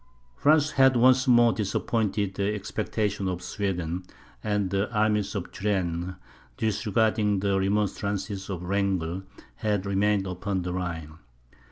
France had once more disappointed the expectations of Sweden; and the army of Turenne, disregarding the remonstrances of Wrangel, had remained upon the Rhine.